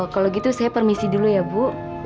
kalau gitu saya permisi dulu ya bu